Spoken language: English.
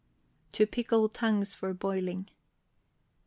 TO PICKLE TONGUES FOR BOILING.